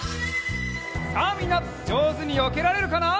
さあみんなじょうずによけられるかな？